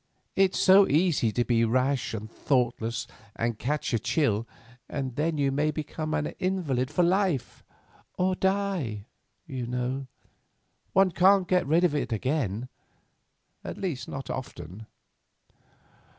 It's so easy to be rash and thoughtless and catch a chill, and then you may become an invalid for life, or die, you know. One can't get rid of it again—at least, not often."